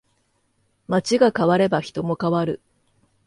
街が変われば人も変わる